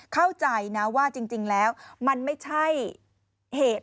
เข้าใจนะว่าจริงแล้วมันไม่ใช่เหตุ